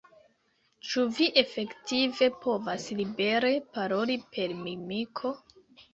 Ĉu vi efektive povas libere paroli per mimiko?